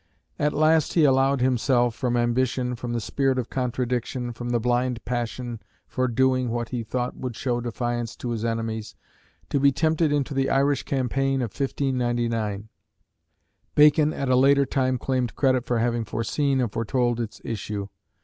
At last he allowed himself, from ambition, from the spirit of contradiction, from the blind passion for doing what he thought would show defiance to his enemies, to be tempted into the Irish campaign of 1599. Bacon at a later time claimed credit for having foreseen and foretold its issue.